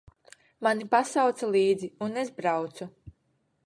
Mani pasauca līdzi, un es braucu.